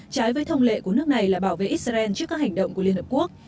trái với thông lệ của nước này là bảo vệ israel trước các hành động của liên hợp quốc